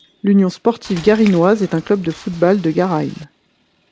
L'Union Sportive Garinoise est un club de football de Garein.